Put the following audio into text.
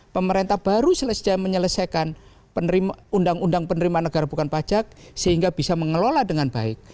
pemerintah baru selesai menyelesaikan undang undang penerimaan negara bukan pajak sehingga bisa mengelola dengan baik